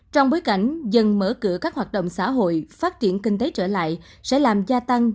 trong bối cảnh dân mở cửa các hoạt động xã hội phát triển kinh tế trở lại sẽ làm gia tăng